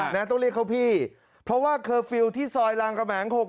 ต้องเรียกเขาพี่เพราะว่าเคอร์ฟิลล์ที่ซอยรางกระแหง๖๖